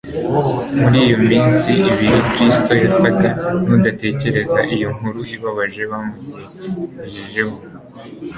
Muri iyo minsi ibiri, Kristo yasaga n'udatekereza iyo nkuru ibabaje bamugejejeho;